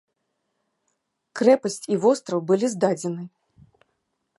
Крэпасць і востраў былі здадзены.